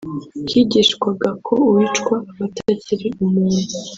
higishwaga ko uwicwa aba atakiri umuntu